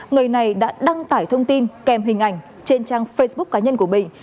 người này đã đăng tải thông tin kèm hình ảnh trên trang facebook cá nhân của mình